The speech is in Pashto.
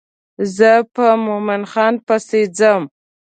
زه په مومن خان پسې ځم.